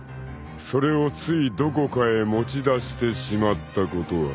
［それをついどこかへ持ち出してしまったことは？］